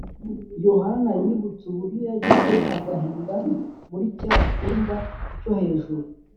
yohana yibutse uburyo yagize agahinda muri cya cyumba cyo hejuru